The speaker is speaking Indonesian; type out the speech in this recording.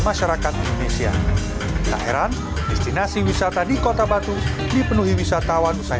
masyarakat indonesia tak heran destinasi wisata di kota batu dipenuhi wisatawan usai